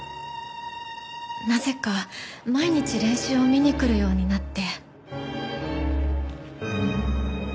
なぜか毎日練習を見に来るようになって。